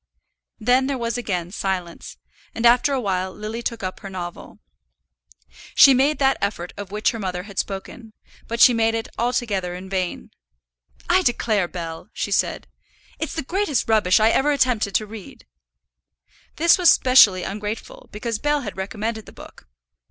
Then there was again silence, and after a while Lily took up her novel. She made that effort of which her mother had spoken, but she made it altogether in vain. "I declare, Bell," she said, "it's the greatest rubbish I ever attempted to read." This was specially ungrateful, because Bell had recommended the book.